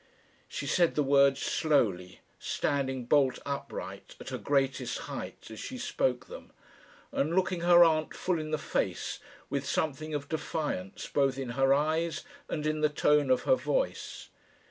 She said the words slowly, standing bolt upright, at her greatest height, as she spoke them, and looking her aunt full in the face with something of defiance both in her eyes and in the tone of her voice.